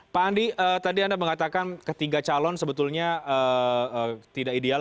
pak andi tadi anda mengatakan ketiga calon sebetulnya tidak ideal